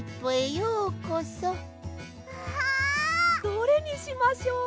どれにしましょう。